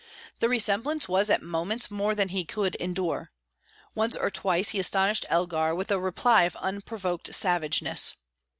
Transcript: The resemblance was at moments more than he could endure; once or twice he astonished Elgar with a reply of unprovoked savageness.